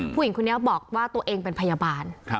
ผู้หญิงคนนี้บอกว่าตัวเองเป็นพยาบาล